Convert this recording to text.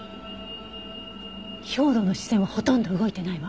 兵働の視線はほとんど動いてないわ。